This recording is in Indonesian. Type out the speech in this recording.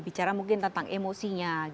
bicara mungkin tentang emosinya